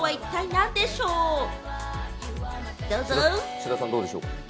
志田さん、どうでしょう？